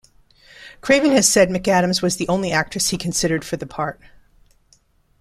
Craven has said McAdams was the only actress he considered for the part.